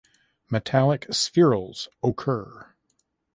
Metallic spherules occur.